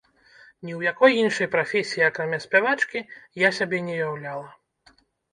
Ні ў якой іншай прафесіі, акрамя спявачкі, я сябе не ўяўляла.